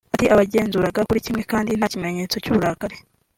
Ati “Abagenzuraga buri kimwe kandi nta kimenyetso cy’uburakari